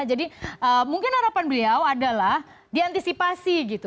jadi mungkin harapan beliau adalah diantisipasi gitu